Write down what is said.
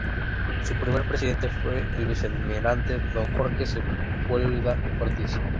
Su primer presidente fue el vicealmirante don Jorge Sepúlveda Ortiz.